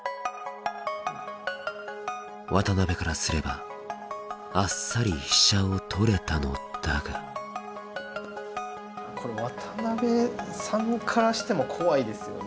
渡辺からすればあっさり飛車を取れたのだがこれ渡辺さんからしても怖いですよね。